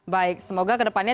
baik semoga kedepannya